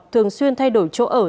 thường xuyên thay đổi chỗ ở